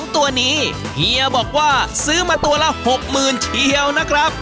ตัวนี้เฮียบอกว่าซื้อมาตัวละ๖๐๐๐เชียวนะครับ